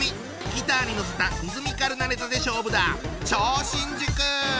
ギターに乗せたリズミカルなネタで勝負だ！